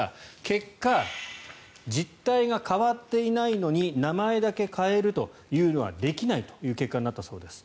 結果、実態が変わっていないのに名前だけ変えるというのはできないとなったそうです。